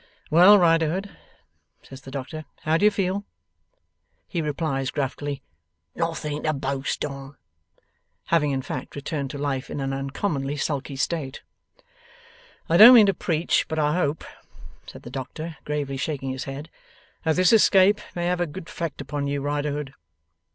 'Well, Riderhood,' says the doctor, 'how do you feel?' He replies gruffly, 'Nothing to boast on.' Having, in fact, returned to life in an uncommonly sulky state. 'I don't mean to preach; but I hope,' says the doctor, gravely shaking his head, 'that this escape may have a good effect upon you, Riderhood.